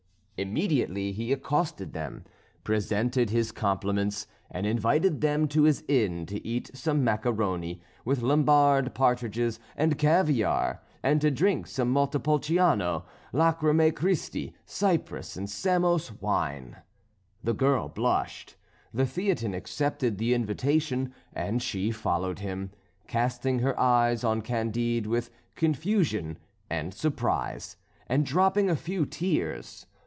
Immediately he accosted them, presented his compliments, and invited them to his inn to eat some macaroni, with Lombard partridges, and caviare, and to drink some Montepulciano, Lachrymæ Christi, Cyprus and Samos wine. The girl blushed, the Theatin accepted the invitation and she followed him, casting her eyes on Candide with confusion and surprise, and dropping a few tears.